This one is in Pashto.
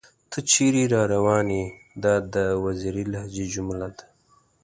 تۀ چېرې راوون ئې ؟ دا د وزيري لهجې جمله ده